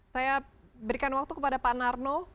saya berikan waktu kepada pak narno